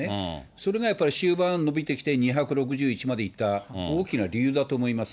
それがやっぱり終盤伸びてきて、２６１まで伸びた、大きな理由だと思います。